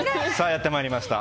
やってまいりました